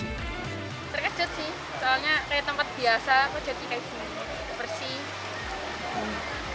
terkejut sih soalnya kayak tempat biasa kok jadi kayak bersih